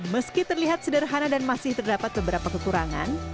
meski terlihat sederhana dan masih terdapat beberapa kekurangan